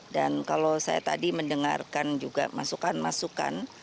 dan kalau saya tadi mendengarkan juga masukan masukan